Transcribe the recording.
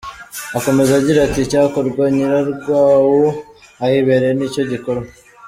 Akomeza agira ati “Icyakorwa nyirwawo ahibereye ni cyo gikorwa.